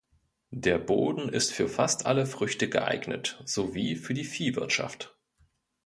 Der Boden ist für fast alle Früchte geeignet, sowie für die Viehwirtschaft.